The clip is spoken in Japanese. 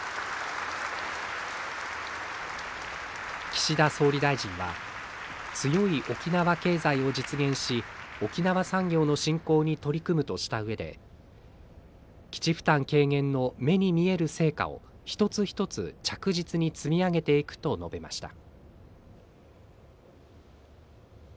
岸田総理大臣は「強い沖縄経済」を実現し沖縄産業の振興に取り組むとしたうえで基地負担軽減の目に見える成果を一つ一つ着実に積み上げていくと述べました。